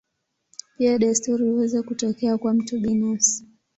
Pia desturi huweza kutokea kwa mtu binafsi.